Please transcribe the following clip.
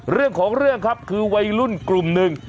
เรื่องของเรื่องครับคือวัยรุ่นกลุ่มหนึ่ง